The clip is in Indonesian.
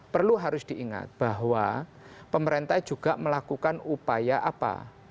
perlu harus diingat bahwa pemerintah juga melakukan upaya apa